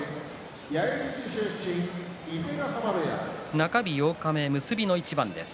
中日八日目結びの一番です。